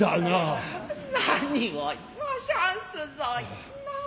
何を言わしゃんすぞいナ。